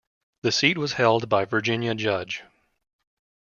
The seat was held by Virginia Judge.